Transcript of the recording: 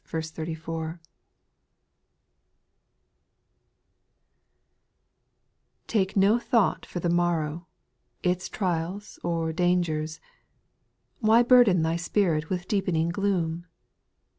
1. ^6 rpAKE no thought for the morrow," its X trials, or dangers. Why burden thy spirit with deepening gloom